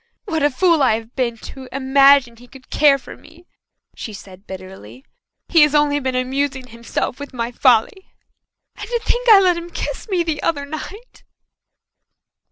"What a fool I have been to imagine he could care for me!" she said bitterly. "He has only been amusing himself with my folly. And to think that I let him kiss me the other night!"